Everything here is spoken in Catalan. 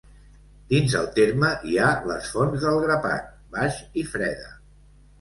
Dins el terme hi ha les fonts del Grapat, Baix i Freda.